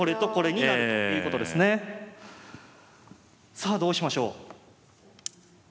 さあどうしましょう？